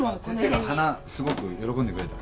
先生が花すごく喜んでくれた。